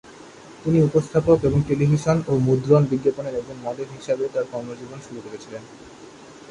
তিনি উপস্থাপক এবং টেলিভিশন ও মুদ্রণ বিজ্ঞাপনের একজন মডেল হিসাবে তাঁর কর্মজীবন শুরু করেছিলেন।